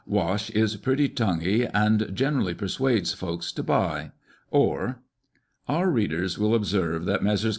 Wash is pretty tonguey, and generally persuades folks to buy." Or, "Our readers will observe that Messrs.